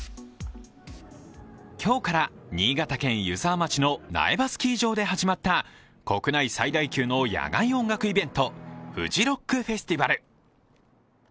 今日から新潟県湯沢町の苗場スキー場で始まった国内最大級の野外音楽イベントフジロックフェスティバル。